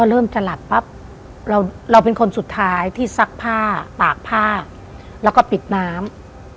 เริ่มจะหลับปั๊บเราเป็นคนสุดท้ายที่ซักผ้าตากผ้าแล้วก็ปิดน้ำ